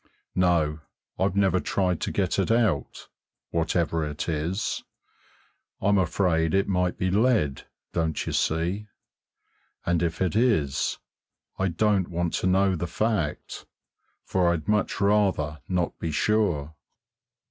No, I've never tried to get it out, whatever it is; I'm afraid it might be lead, don't you see? And if it is, I don't want to know the fact, for I'd much rather not be sure.